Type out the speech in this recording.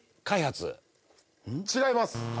違います。